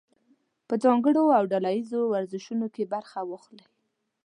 په ځانګړو او ډله ییزو ورزشونو کې برخه واخلئ.